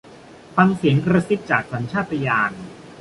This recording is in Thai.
ฟังเสียงกระซิบจากสัญชาตญาณ